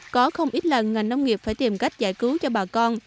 có không ít lần ngành nông nghiệp phải tìm cách giải cứu cho bà con